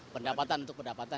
pendapatan untuk pendapatan